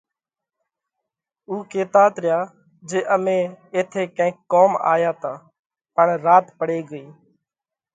او ڪيتات ريا جي امي ايٿئہ ڪينڪ ڪوم آيا تا پڻ رات پڙي ڳئِي۔